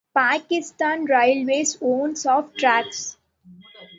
Pakistan Railways owns of tracks.